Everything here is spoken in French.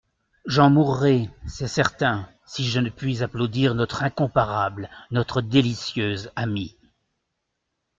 J'en mourrai, c'est certain, si je ne puis applaudir notre incomparable, notre délicieuse amie.